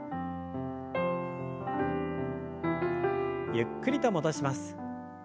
ゆっくりと戻します。